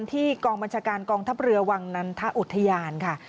ที่กองบัญชาการกองทัพเรือวังนันทอุทยานค่ะ